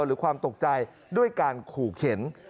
หรือความตกใจด้วยการขู่เข็น